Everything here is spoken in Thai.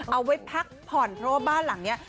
เอาไว้พักผ่อนเพราะว่าบ้านหลังนี้